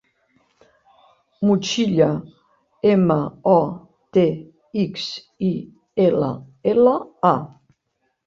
Motxilla: ema, o, te, ics, i, ela, ela, a.